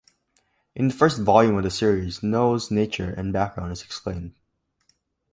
In the first volume of the series, The Noh's nature and background is explained.